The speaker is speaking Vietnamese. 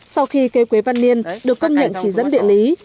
sau khi cây quế văn yên được công nhận chỉ dẫn địa lý